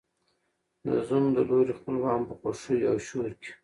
د زوم د لوري خپلوان په خوښیو او شور کې